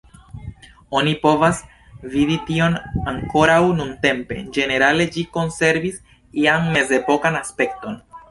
Oni povas vidi tion ankoraŭ nuntempe; ĝenerale ĝi konservis ian mezepokan aspekton.